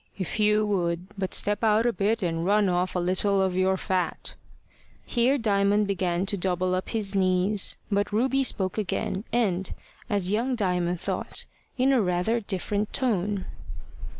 If you would but step out a bit and run off a little of your fat!" Here Diamond began to double up his knees; but Ruby spoke again, and, as young Diamond thought, in a rather different tone.